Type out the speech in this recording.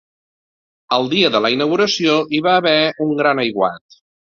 El dia de la inauguració hi va haver un gran aiguat.